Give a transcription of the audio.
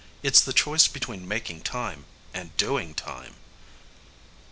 It's the choice between making time ... and doing time!